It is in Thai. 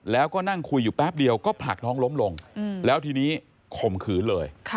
แล้วก็นั่งคุยอยู่แป๊บเดียวก็ผลักน้องล้มลงแล้วทีนี้ข่มขืนเลย